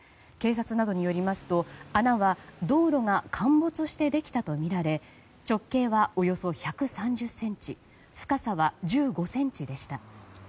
警察などによりますと、穴は道路が陥没してできたとみられ直径はおよそ１３０ｃｍ深さは１５ｃｍでした。